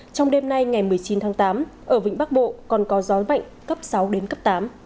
trong đêm nay ngày một mươi chín tháng tám ở vĩnh bắc bộ còn có gió mạnh cấp sáu đến cấp tám